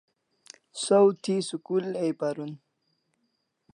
Saw thi school ai paron